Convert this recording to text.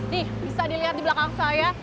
nih bisa dilihat di belakang saya